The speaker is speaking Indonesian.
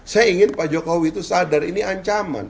saya ingin pak jokowi itu sadar ini ancaman